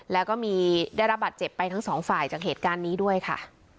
แล้วก็มีได้รับบาดเจ็บไปทั้งสองฝ่ายจากเหตุการณ์นี้ด้วยค่ะ